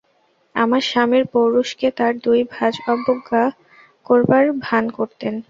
আমার স্বামীর পৌরুষকে তাঁর দুই ভাজ অবজ্ঞা করবার ভান করতেন।